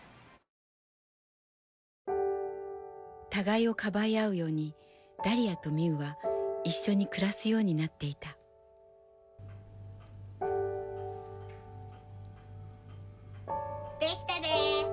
互いをかばい合うようにだりあとみうは一緒に暮らすようになっていた出来たで！